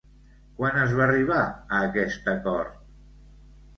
Quan es va arribar a aquest acord?